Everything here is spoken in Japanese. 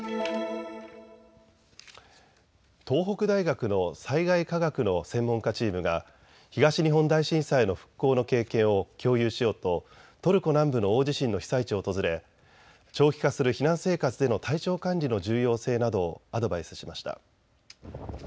東北大学の災害科学の専門家チームが東日本大震災の復興の経験を共有しようとトルコ南部の大地震の被災地を訪れ長期化する避難生活での体調管理の重要性などをアドバイスしました。